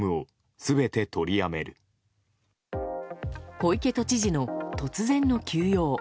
小池都知事の突然の休養。